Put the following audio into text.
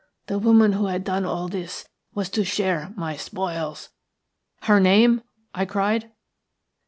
The woman who had done all this was to share my spoils." "Her name?" I cried.